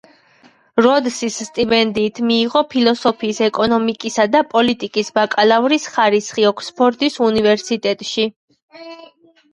როდსის სტიპენდიით მიიღო ფილოსოფიის, ეკონიომიკისა და პოლიტიკის ბაკალავრის ხარისხი ოქსფორდის უნივერსიტეტში.